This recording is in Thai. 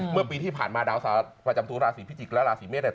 เมื่อปีที่ผ่านมาดาวประจำตัวราศีพิจิกษ์และราศีเมษเนี่ย